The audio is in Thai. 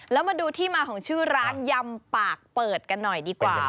แล้วมาดูที่มาของชื่อร้านยำปากเปิดกันหน่อยดีกว่า